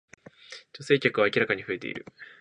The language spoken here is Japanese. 女性客は明らかに増えてきてる